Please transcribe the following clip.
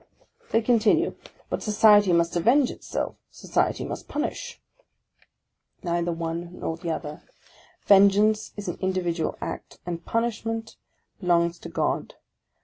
They continue, " But society must avenge itself, society must punish." Neither one nor the other ; vengeance is an individual act, and punishment belongs to God.